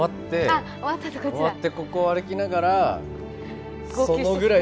俺終わってここを歩きながらそこぐらいで号泣した。